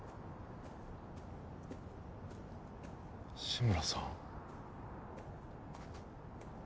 志村さん